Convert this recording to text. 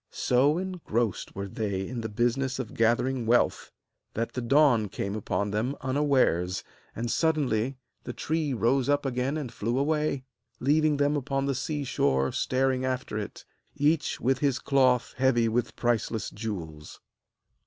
So engrossed were they in the business of gathering wealth that the dawn came upon them unawares; and suddenly the tree rose up again and flew away, leaving them upon the sea shore staring after it, each with his cloth heavy with priceless jewels.